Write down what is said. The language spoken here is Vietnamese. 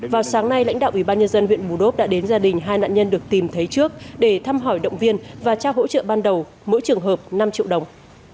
vào sáng nay lãnh đạo ủy ban nhân dân huyện bù đốp đã đến gia đình hai nạn nhân được tìm thấy trước để thăm hỏi động viên và trao hỗ trợ ban đầu mỗi trường hợp năm triệu đồng